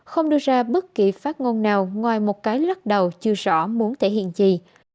không đưa ra bất kỳ phát ngôn nào ngoài một cái lắc đầu chưa rõ muốn thể hiện trì